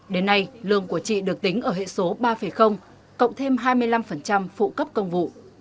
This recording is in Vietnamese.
đến nay lương của chị được tính ở hệ số ba cộng thêm hai mươi năm phụ cấp công vụ